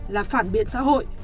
là phản biện xã hội